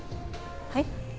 はい？